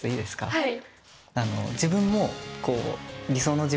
はい。